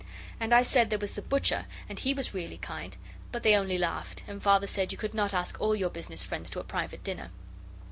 And I said there was the butcher, and he was really kind; but they only laughed, and Father said you could not ask all your business friends to a private dinner.